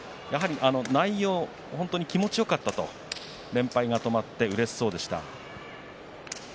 内容、気持ちよかったと連敗が止まってうれしそうでした。